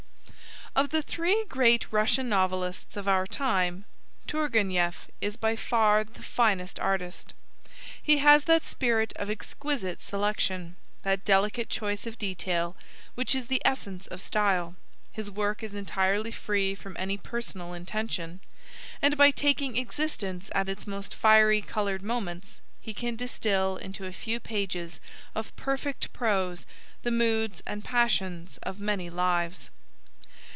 Of the three great Russian novelists of our time Tourgenieff is by far the finest artist. He has that spirit of exquisite selection, that delicate choice of detail, which is the essence of style; his work is entirely free from any personal intention; and by taking existence at its most fiery coloured moments he can distil into a few pages of perfect prose the moods and passions of many lives.